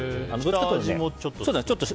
下味もちょっと。